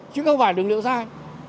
chứ không phải đường liễu dai